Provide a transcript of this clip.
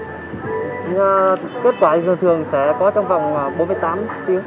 nhưng kết quả giờ thường sẽ có trong vòng bốn mươi tám tiếng